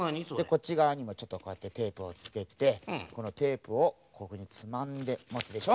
こっちがわにもちょっとこうやってテープをつけてこのテープをここにつまんでもつでしょ。